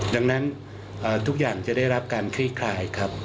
ดังนั้นทุกอย่างจะได้รับการคลี่คลายครับ